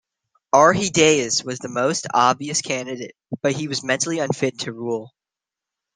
Arrhidaeus was the most obvious candidate, but he was mentally unfit to rule.